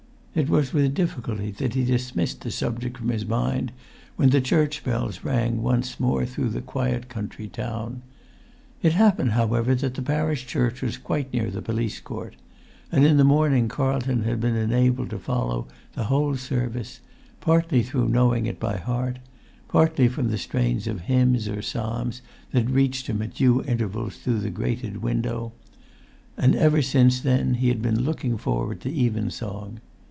It was with difficulty that he dismissed the subject from his mind when the church bells rang once more through the quiet country town. It happened, however, that the[Pg 149] parish church was quite near the police court; and in the morning Carlton had been enabled to follow the whole service, partly through knowing it by heart, partly from the strains of hymn or psalm that reached him at due intervals through the grated window: and ever since then he had been looking forward to evensong.